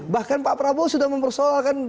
bahkan pak prabowo sudah mempersoalkan